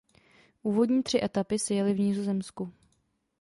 Úvodní tři etapy se jely v Nizozemsku.